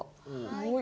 はい。